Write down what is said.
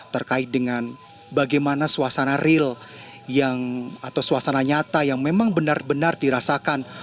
terkait dengan bagaimana suasana real atau suasana nyata yang memang benar benar dirasakan